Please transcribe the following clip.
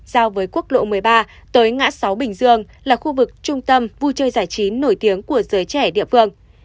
giao với quốc lộ một mươi ba tới ngã sáu bình dương là khu vực trung tâm vui chơi giải trí nổi tiếng của giới trẻ địa phương